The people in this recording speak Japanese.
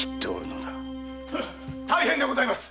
大変でございます！